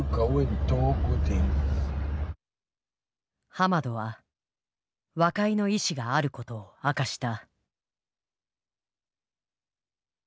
ハマドは和解の意思があることを明かした。